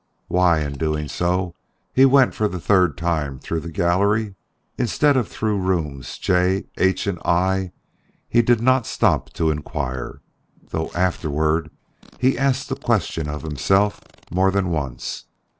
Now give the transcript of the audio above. Why, in doing so, he went for the third time through the gallery instead of through rooms J, H and I, he did not stop to inquire, though afterward he asked that question of himself more than once.